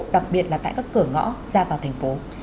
đặc biệt là tại các cửa ngõ ra vào thành phố